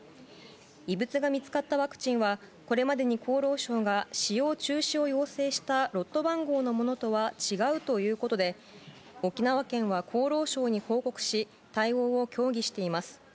異物が見つかったワクチンはこれまでに厚労省が使用中止を要請したロット番号のものとは違うということで沖縄県は厚労省に報告し対応を協議しています。